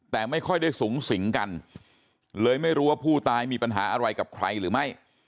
แต่ไม่ค่อยได้สูงสิงกันเลยไม่รู้ว่าผู้ตายมีปัญหาอะไรกับใครหรือไม่